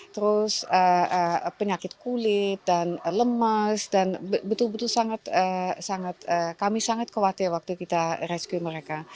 terus penyakit kulit dan lemas dan betul betul sangat kami sangat khawatir waktu kita rescue mereka